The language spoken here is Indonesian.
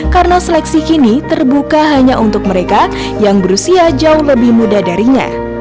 karena seleksi kini terbuka hanya untuk mereka yang berusia jauh lebih muda darinya